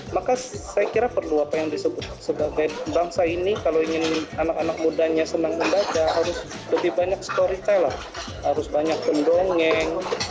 maka saya kira perlu apa yang disebut sebagai bangsa ini kalau ingin anak anak mudanya senang membaca harus lebih banyak storyteller harus banyak pendongeng